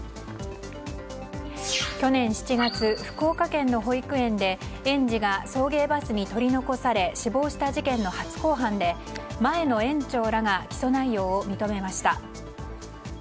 去年７月、福岡県の保育園で園児が送迎バスに取り残され死亡した事件の初公判で前の園長らが起訴内容を認めました。